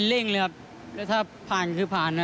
เร่งครับแล้วถ้าพันก่อนก็พันค่ะ